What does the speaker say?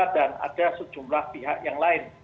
dan ada sejumlah pihak yang lain